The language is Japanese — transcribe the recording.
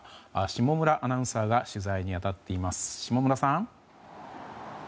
下村アナウンサーが取材に当たっています。